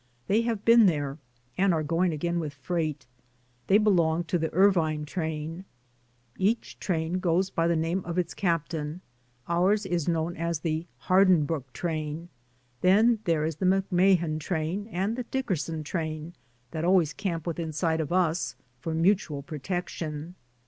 They have been there and are going again with freight. They belong with the Irvine train. Each train goes by the name of its captain, ours is known as "The Hardinbrooke train." Then there is the McMahan train, and the Dicker son train, that always camp within sight of us, for mutual protection.